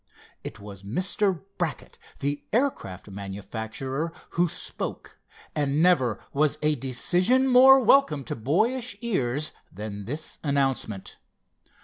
It was Mr. Brackett, the aircraft manufacturer, who spoke, and never was a decision more welcome to boyish ears than this announcement.